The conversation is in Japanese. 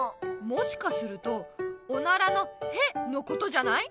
もしかするとおならの「へ」のことじゃない？